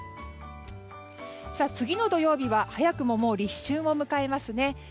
次の土曜日は早くも立春を迎えますね。